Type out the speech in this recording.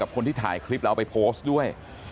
คนที่ถ่ายคลิปแล้วเอาไปโพสต์ด้วย